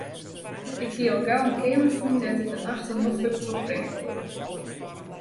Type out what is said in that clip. Ik hie al gau in keamer fûn dêr't ik de nachten noflik trochbringe koe.